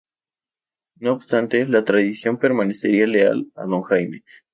No obstante, "La Tradición" permanecería leal a Don Jaime.